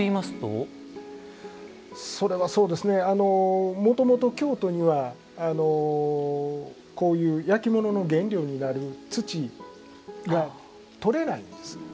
それは、もともと京都には焼き物の原料になる土が取れないんです。